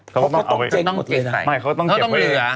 เขาก็ตกเจ็บหมดเลยนะ